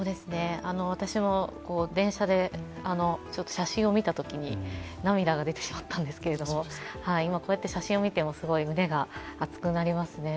私も電車で、写真を見たときに涙が出てしまったんですけれども、こうやって写真を見ても胸が熱くなりますね。